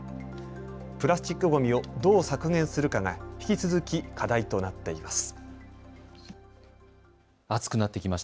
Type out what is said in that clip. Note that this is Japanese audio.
プラスチックごみを、どう削減するかが引き続き課題となっています。